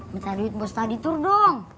minta duit bos tadi tour dong